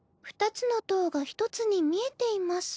２つの塔が１つに見えています」。